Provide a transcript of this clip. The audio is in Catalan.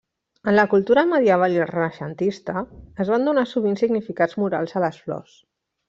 En la cultura medieval i renaixentista, es van donar sovint significats morals a les flors.